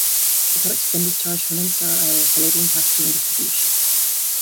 The product is then discharged to a non-sterile area for labeling, packaging and distribution.